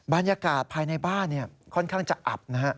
บรรยากาศภายในบ้านค่อนข้างจะอับนะฮะ